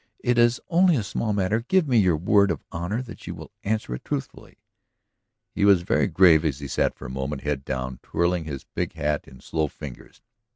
It is only a small matter. Give me your word of honor that you will answer it truthfully." He was very grave as he sat for a moment, head down, twirling his big hat in slow fingers.